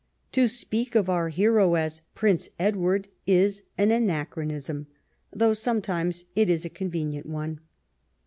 To speak of our hero as " Prince Edward " is an anachronism, though sometimes it is a convenient one.